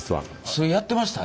それやってました？